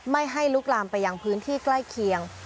ไม่ให้ลุกลามไปยังพื้นที่ใกล้เคียง